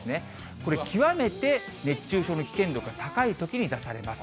これ、極めて熱中症の危険度が高いときに出されます。